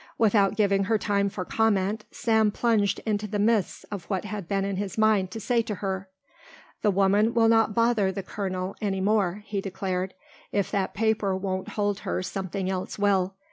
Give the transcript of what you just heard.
Without giving her time for comment, Sam plunged into the midst of what had been in his mind to say to her. "The woman will not bother the colonel any more," he declared; "if that paper won't hold her something else will.